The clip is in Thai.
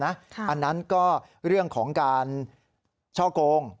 อันนั้นก็เรื่องของการช่อกง